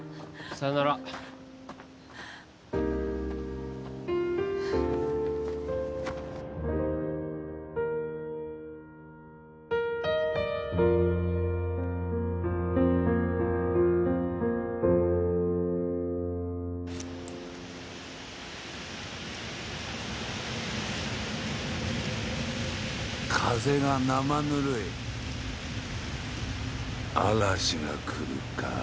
さよなら風がなまぬるい嵐が来るか？